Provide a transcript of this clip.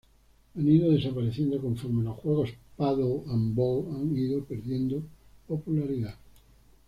Han ido desapareciendo conforme los juegos ""paddle and ball"" han ido perdiendo popularidad..